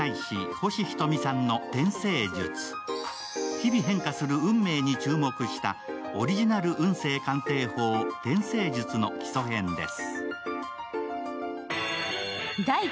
日々変化する運命に注目した、オリジナル運勢鑑定法、天星術の基礎編です。